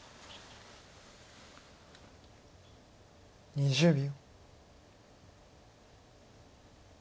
２０秒。